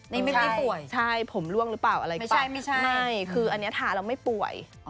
นี่ไม่ได้ป่วยไม่ใช่ไม่ใช่คืออันนี้ทาแล้วไม่ป่วย